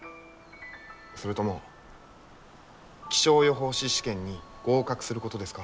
それとも気象予報士試験に合格することですか？